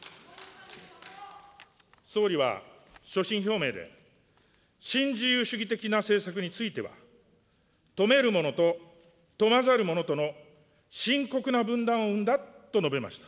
総理は所信表明で、新自由主義的な政策については、富める者と富まざる者との深刻な分断を生んだと述べました。